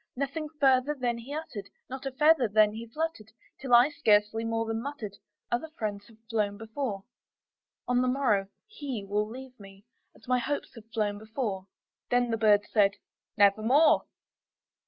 Nothing further then he uttered not a feather then he fluttered Till I scarcely more than muttered, "Other friends have flown before On the morrow he will leave me, as my hopes have flown before." Then the bird said, "Nevermore."